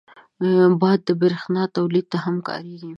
باد د بریښنا تولید ته هم کارېږي